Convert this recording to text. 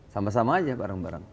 sama sama aja bareng bareng